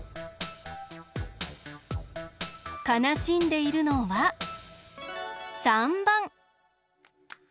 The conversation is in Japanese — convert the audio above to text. かなしんでいるのは３ばん。